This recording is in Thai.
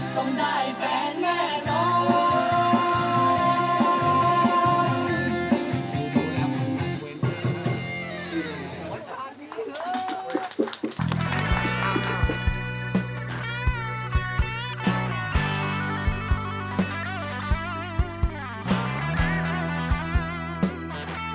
ต้องได้แฟนแน่นอน